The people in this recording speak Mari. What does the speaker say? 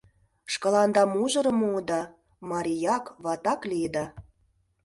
Шкаланда мужырым муыда, марияк-ватак лийыда.